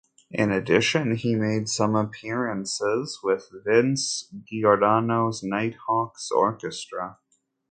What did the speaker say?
In addition, he made some appearances with Vince Giordano's Nighthawks Orchestra.